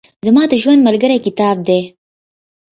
زما د ژوند ملګری کتاب دئ.